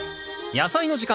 「やさいの時間」